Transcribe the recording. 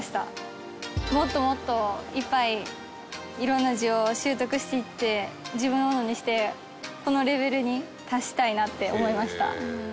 もっともっといっぱい色んな字を習得していって自分のものにしてこのレベルに達したいなって思いました。